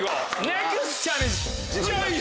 ネクストチャレンジ！